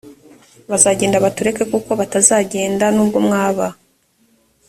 bazagenda batureke kuko batazagenda nubwo mwaba